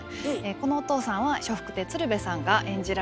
このお父さんは笑福亭鶴瓶さんが演じられています。